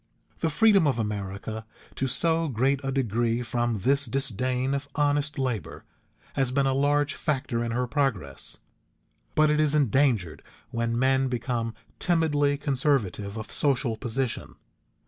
The freedom of America to so great a degree from this disdain of honest labor has been a large factor in her progress, but it is endangered when men become timidly conservative of social position.